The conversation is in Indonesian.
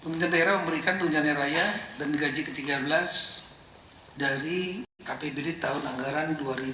pemerintah daerah memberikan tunjangan raya dan gaji ke tiga belas dari apbd tahun anggaran dua ribu dua puluh